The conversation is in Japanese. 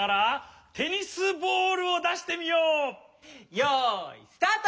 よいスタート！